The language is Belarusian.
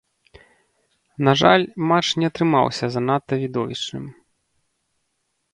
На жаль, матч не атрымаўся занадта відовішчным.